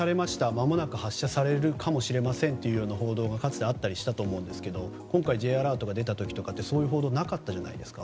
まもなく発射されるかもしれませんという報道がかつてあったりしたと思うんですが今回Ｊアラートが出た時とかってそういう報道なかったじゃないですか。